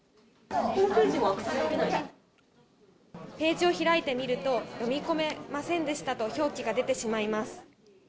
ホームページにアクセスできページを開いてみると、読み込めませんでしたと表記が出てしまいます。